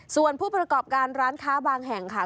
ส่วนผู้ประกอบการร้านค้าบางแห่งค่ะ